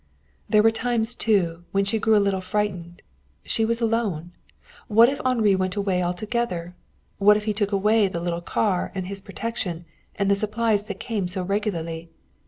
There were times, too, when she grew a little frightened. She was so alone. What if Henri went away altogether? What if he took away the little car, and his protection, and the supplies that came so regularly?